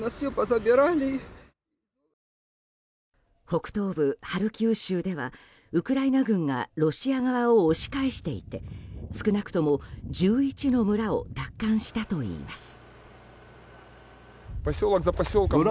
北東部ハルキウ州ではウクライナ軍がロシア側を押し返していて少なくとも１１の村を奪還したといいます。